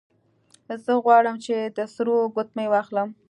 زه غواړم چې د سرو ګوتمۍ واخلم